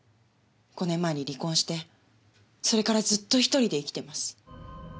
５年前に離婚してそれからずっと１人で生きてます。